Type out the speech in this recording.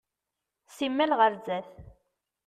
Simmal ɣer zdat.